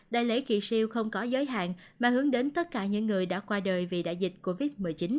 đại lễ kỳ siêu không có giới hạn mà hướng đến tất cả những người đã qua đời vì đại dịch covid một mươi chín